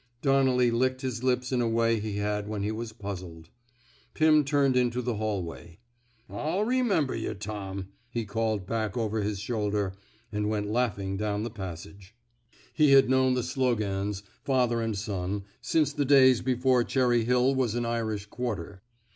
Donnelly licked his lips in a way he had when he was puzzled. Pim turned into the hallway. I'll re member yuh, Tom," he called back over his shoulder, and went laughing down the pas sage. He had known the Slogans, father and son, since the days before Cherry Hill was an Irish quarter.